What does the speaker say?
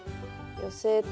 寄せて。